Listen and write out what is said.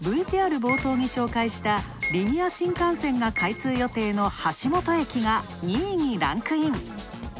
ＶＴＲ冒頭に紹介したリニア新幹線が開通予定の橋本駅が２位にランクイン。